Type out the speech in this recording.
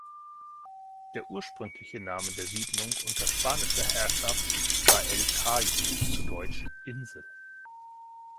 Der ursprüngliche Name der Siedlung unter spanischer Herrschaft war „El Cayo“, zu Deutsch „Insel“.